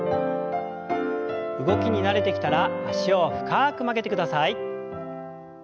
動きに慣れてきたら脚を深く曲げてください。